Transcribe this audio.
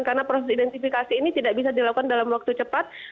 karena proses identifikasi ini tidak bisa dilakukan dalam waktu cepat